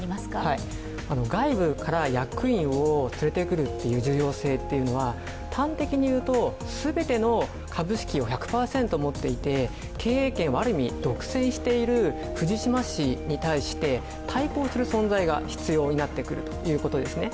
外部から役員を連れてくるという重要性というのは端的にいうと全ての株式を１００％持っていて、経営権をある意味独占している藤島氏に対して対抗する存在が必要になってくるということですね。